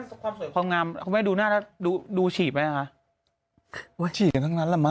กูรู้ได้ความสวยความงามเขาไม่ดูหน้าแล้วดูดูฉีดไหมอ่ะ